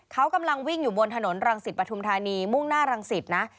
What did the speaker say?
เขากำลังวิ่งอยู่บนถนนรังสิตปฐุมธานีมุ่งหน้ารังสิตนะ